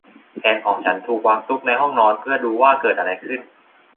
แผนของฉันถูกวางซุกในห้องนอน เพื่อดูว่าเกิดอะไรขึ้น